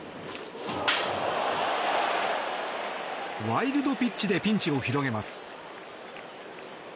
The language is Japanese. ワイルドピッチでピンチを広げます。